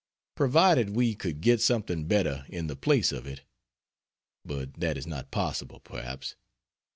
Provided we could get something better in the place of it. But that is not possible, perhaps.